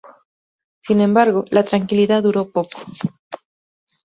Sin embargo, la tranquilidad duró poco.